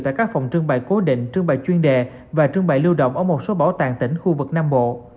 tại các phòng trưng bài cố định trưng bài chuyên đề và trưng bài lưu động ở một số bảo tàng tỉnh khu vực nam bộ